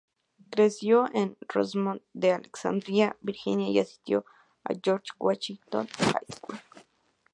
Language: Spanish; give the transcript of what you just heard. Creció en Rosemont de Alexandria, Virginia, y asistió a George Washington High School.